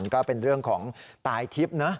ก็เป็นเรื่องของตายทิพย์นะ